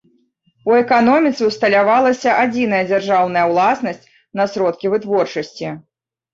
У эканоміцы ўсталявалася адзіная дзяржаўная ўласнасць на сродкі вытворчасці.